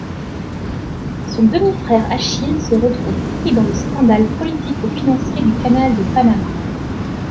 Son demi-frère Achille se retrouve pris dans le scandale politico-financier du canal de Panama.